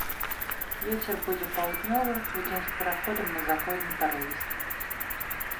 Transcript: Вецер будзе паўднёвы, удзень з пераходам на заходні парывісты.